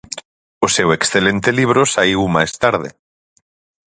O seu excelente libro saíu máis tarde.